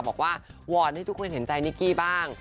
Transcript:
วอนให้ทุกคนเห็นใจนิกกี้บ้าง